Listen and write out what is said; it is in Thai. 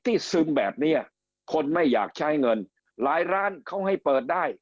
ซึมแบบนี้คนไม่อยากใช้เงินหลายร้านเขาให้เปิดได้